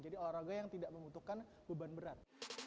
jadi olahraga yang tidak membutuhkan beban berat